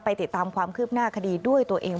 ติดตามความคืบหน้าคดีด้วยตัวเอง